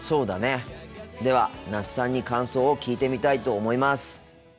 では那須さんに感想を聞いてみたいと思います。